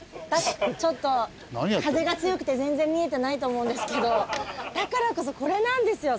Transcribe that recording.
ちょっと風が強くて全然見えてないと思うんですけどだからこそこれなんですよ。